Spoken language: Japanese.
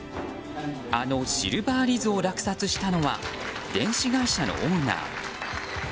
あの「シルバー・リズ」を落札したのは電子会社のオーナー。